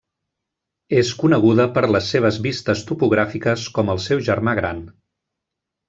És coneguda per les seves vistes topogràfiques com el seu germà gran.